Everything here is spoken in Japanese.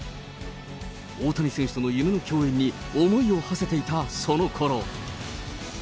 大谷選手との夢の共演に思いをはせていたそのころ。